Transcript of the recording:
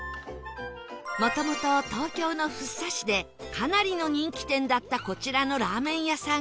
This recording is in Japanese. もともと東京の福生市でかなりの人気店だったこちらのラーメン屋さん